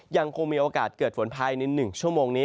ยังคงมีโอกาสเกิดฝนภายใน๑ชั่วโมงนี้